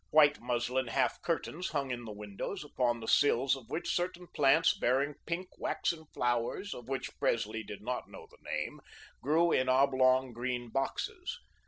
White muslin half curtains hung in the windows, upon the sills of which certain plants bearing pink waxen flowers of which Presley did not know the name, grew in oblong green boxes.